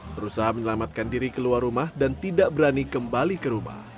berusaha menyelamatkan diri keluar rumah dan tidak berani kembali ke rumah